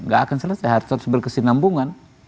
gak akan selesai harus berkesinambungan